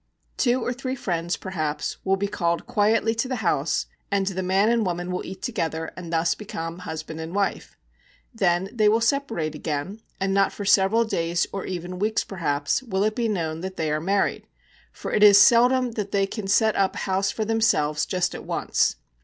Two or three friends, perhaps, will be called quietly to the house, and the man and woman will eat together, and thus become husband and wife. Then they will separate again, and not for several days, or even weeks perhaps, will it be known that they are married; for it is seldom that they can set up house for themselves just at once.